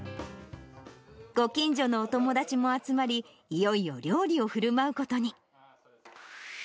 ご近所のお友達も集まり、いよいよ料理をふるまうことに。